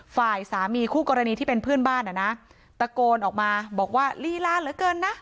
ฝ่ายสามีคู่กรณีที่เป็นเพื่อนบ้านอ่ะนะตะโกนออกมาบอกว่าลีลาเหลือเกินนะ